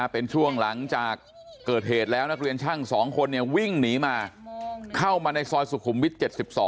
เป็นช่วงหลังจากเกิดเหตุแล้วนักเรียนช่าง๒คนวิ่งหนีมาเข้ามาในซอยสุขุมวิท๗๒